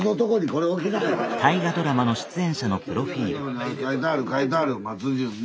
書いてある書いてある松潤ね。